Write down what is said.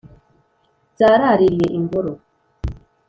Zaraririye ingoro